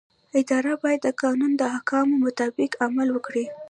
اداره باید د قانون د احکامو مطابق عمل وکړي.